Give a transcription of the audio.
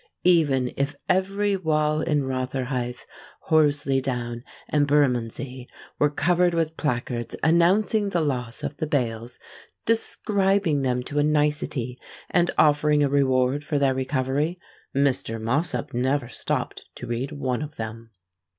Even if every wall in Rotherhithe, Horselydown, and Bermondsey, were covered with placards announcing the loss of the bales, describing them to a nicety, and offering a reward for their recovery, Mr. Mossop never stopped to read one of them.